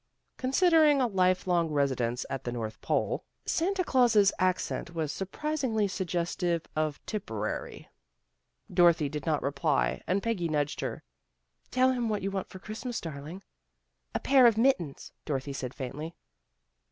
" Considering a life long residence at the North Pole, Santa 188 THE GIRLS OF FRIENDLY TERRACE Clans' accent was surprisingly suggestive of Tipperary. Dorothy did not reply and Peggy nudged her. ' Tell him what you want for Christmas, darling." " A pair of mittens," Dorothy said faintly.